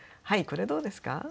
はいこれどうですか？